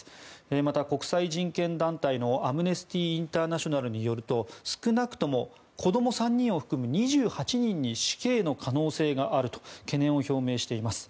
また、国際人権団体のアムネスティ・インターナショナルによると少なくとも子ども３人を含む２８人に死刑の可能性があると懸念を表明しています。